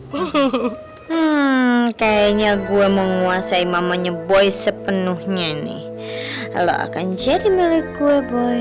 hmm kayaknya gue menguasai mamanya boy sepenuhnya nih lo akan jadi milik gue boy